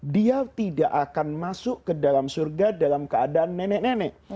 dia tidak akan masuk ke dalam surga dalam keadaan nenek nenek